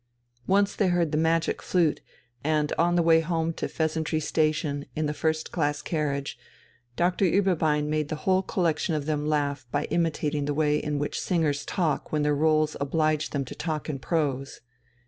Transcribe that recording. Once they heard the "Magic Flute," and on the way home to "Pheasantry" station, in the first class carriage, Doctor Ueberbein made the whole collection of them laugh by imitating the way in which singers talk when their rôles oblige them to talk in prose.